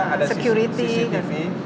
ada penjaga ada cctv